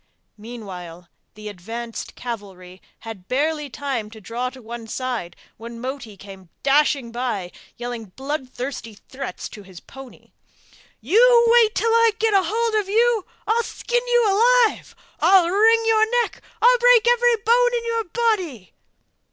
Meanwhile the advanced cavalry had barely time to draw to one side when Moti came dashing by, yelling bloodthirsty threats to his pony: 'You wait till I get hold of you! I'll skin you alive! I'll wring your neck! I'll break every bone in your body!